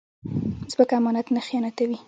ځمکه امانت نه خیانتوي